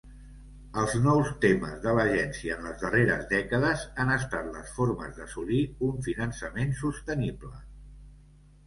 Els nous temes de l"agència en les darreres dècades han estat les formes d"assolir un finançament sostenible.